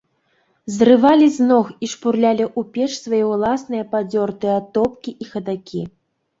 Зрывалі з ног і шпурлялі ў печ свае ўласныя падзёртыя атопкі і хадакі.